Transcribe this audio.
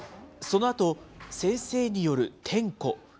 そのあと先生による点呼。